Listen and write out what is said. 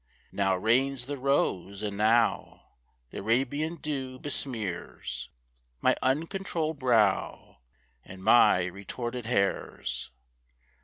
Now reigns the Rose, and now Th' Arabian dew besmears My uncontrolled brow, And my retorted hairs.